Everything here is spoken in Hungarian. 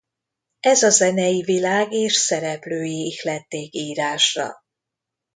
Ez a zenei világ és szereplői ihlették írásra.